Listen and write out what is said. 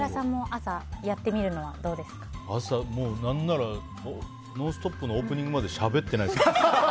朝、何なら「ノンストップ！」のオープニングまでしゃべってないですからね。